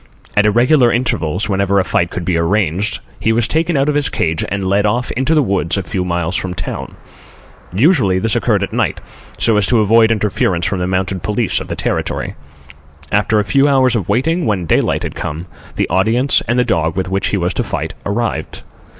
At irregular intervals, whenever a fight could be arranged, he was taken out of his cage and led off into the woods a few miles from town. Usually this occurred at night, so as to avoid interference from the mounted police of the Territory. After a few hours of waiting, when daylight had come, the audience and the dog with which he was to fight arrived.